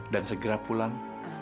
dan segera pulang